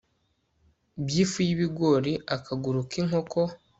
by'ifu y'ibigori, akaguru k'inkoko